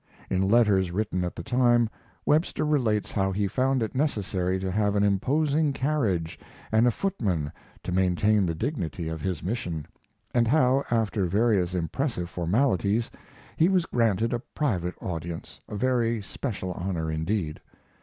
In letters written at the time, Webster relates how he found it necessary to have an imposing carriage and a footman to maintain the dignity of his mission, and how, after various impressive formalities, he was granted a private audience, a very special honor indeed.